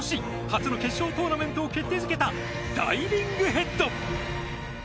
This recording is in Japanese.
初の決勝トーナメントを決定付けたダイビングヘッド。